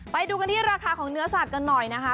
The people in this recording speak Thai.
ไปดูกันที่ราคาของเนื้อสัตว์กันหน่อยนะคะ